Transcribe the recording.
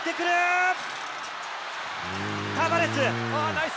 ナイス！